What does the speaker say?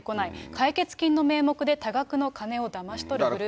解決金の名目で多額の金をだまし取るグループ